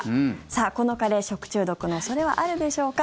さあ、このカレー食中毒の恐れはあるでしょうか？